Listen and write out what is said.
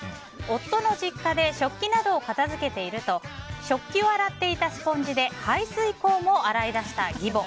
夫の実家で食器などを片付けていると食器を洗っていたスポンジで排水口も洗い出した義母。